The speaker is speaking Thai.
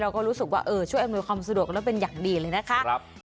เราก็รู้สึกว่าช่วยอำนวยความสะดวกแล้วเป็นอย่างดีเลยนะคะ